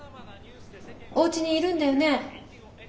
おうちにいるんだよね？